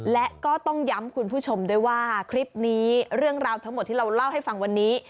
และก็ต้องย้ำคุณผู้ชมด้วยว่าคลิปนี้เรื่องราวทั้งหมดที่เราเล่าให้ฟังวันนี้